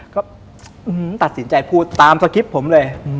ก็ตัดสินใจพูดตามสคริปต์ผมเลย